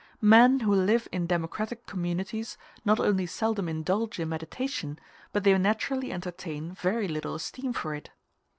Men who live in democratic communities not only seldom indulge in meditation, but they naturally entertain very little esteem for it.